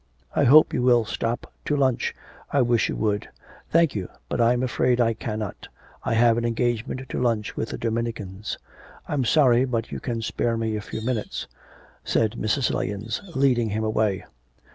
I hope you will stop to lunch.... I wish you would.' 'Thank you, but I'm afraid I cannot. I have an engagement to lunch with the Dominicans.' 'I'm sorry, but you can spare me a few minutes,' said Mrs. Lahens, leading him away.